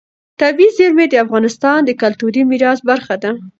طبیعي زیرمې د افغانستان د کلتوري میراث برخه ده.